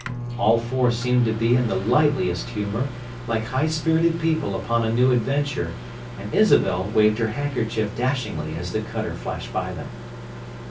All four seemed to be in the liveliest humour, like high spirited people upon a new adventure; and Isabel waved her handkerchief dashingly as the cutter flashed by them.